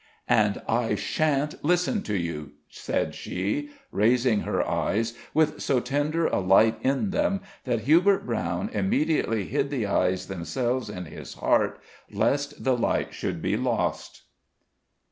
"And I shan't listen to you," said she, raising her eyes with so tender a light in them that Hubert Brown immediately hid the eyes themselves in his heart, lest the light should be lost.